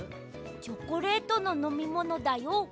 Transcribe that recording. チョコレートののみものだよ。